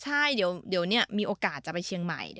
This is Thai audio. เฉยเดี๋ยวเนี่ยมีโอกะจะไปเชียงใหม่